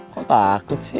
kok takut sih